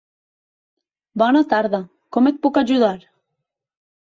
Bona tarda, com et puc ajudar?